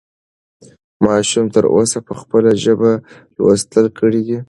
ماشوم تر اوسه په خپله ژبه لوستل کړي دي.